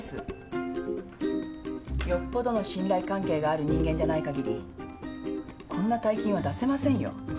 よっぽどの信頼関係がある人間じゃないかぎりこんな大金は出せませんよ。